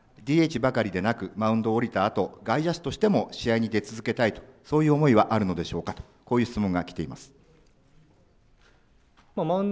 ＤＨばかりでなく、マウンドを降りたあと、外野手としても試合に出続けたいとそういう思いはあるのでしょうかと、こういう質問が来ています。